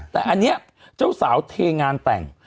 แต่อันนี้เจ้าสาวเทงานแต่ง